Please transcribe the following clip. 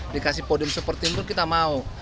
dikasih podium seperti itu kita mau